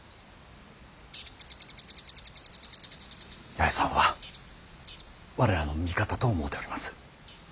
八重さんは我らの味方と思うております。